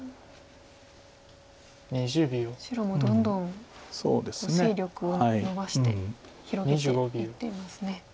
白もどんどん勢力をのばして広げていってますね。